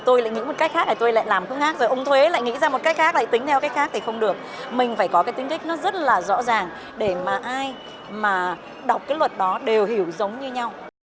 mình phải có tính thích rất rõ ràng để ai đọc luật đó đều hiểu giống như nhau